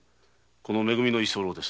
「め組」の居候です。